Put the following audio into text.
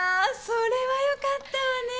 それはよかったわね。